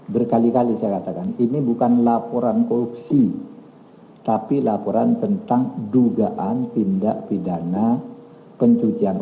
berkali kali saya katakan ini bukan laporan korupsi tapi laporan tentang dugaan tindak pidana pencucian uang